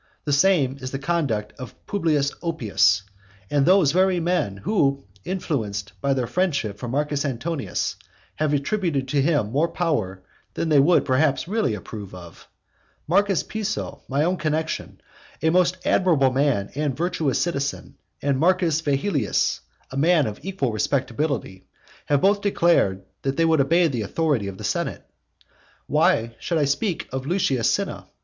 The same is the conduct of Publius Oppius; and those very men, who, influenced by their friendship for Marcus Antonius, have attributed to him more power than they would perhaps really approve of, Marcus Piso, my own connexion, a most admirable man and virtuous citizen, and Marcus Vehilius, a man of equal respectability, have both declared that they would obey the authority of the senate. Why should I speak of Lucius Cinna?